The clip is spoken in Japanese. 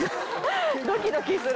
ドキドキする。